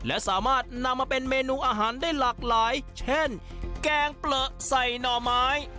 และสามารถนำมาเป็นเมนูอาหารได้หลากหลายเช่นแกงเปลือใส่หน่อไม้